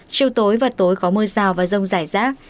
chiều tối và tối có mưa rào và rông rải rác